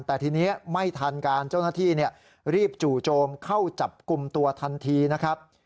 แต่ทีนี้ไม่ทันการเจ้าหน้าที่รีบจู่โจมเข้าจับกลุ่มตัวทันทีนะครับ